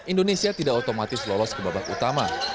indonesia tidak otomatis lolos ke babak utama